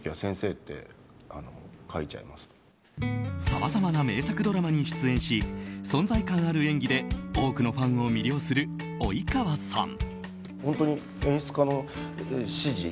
さまざまな名作ドラマに出演し存在感ある演技で多くのファンを魅了する及川さん。